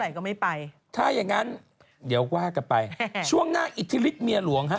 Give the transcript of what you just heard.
ก็ไม่ไปถ้าอย่างงั้นเดี๋ยวว่ากันไปช่วงหน้าอิทธิฤทธเมียหลวงฮะ